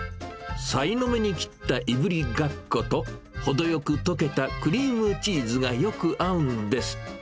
さいの目に切ったいぶりがっこと、程よく溶けたクリームチーズがよく合うんです。